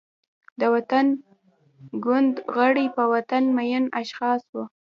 د وطن ګوند غړي، په وطن مین اشخاص وو.